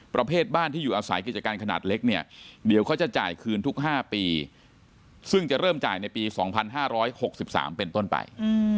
ประเภทบ้านที่อยู่อาศัยกิจการขนาดเล็กเนี่ยเดี๋ยวเขาจะจ่ายคืนทุก๕ปีซึ่งจะเริ่มจ่ายในปี๒๕๖๓เป็นต้นไป